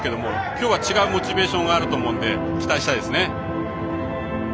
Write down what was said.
今日は、違うモチベーションがあると思うので期待したいですね。